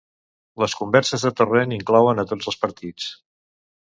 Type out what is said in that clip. Les converses de Torrent inclouen a tots els partits